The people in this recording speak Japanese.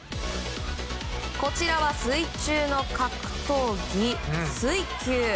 こちらは水中の格闘技、水球。